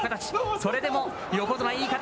それでも、横綱、いい形。